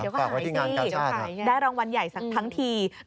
เดี๋ยวขายสิได้รางวัลใหญ่ทั้งทีก็หายที่งานกาชาจังหวัดศรีสเกต